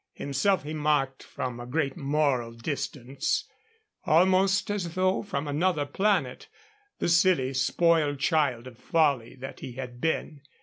Himself he marked from a great moral distance, almost as though from another planet the silly, spoiled child of folly that he had been.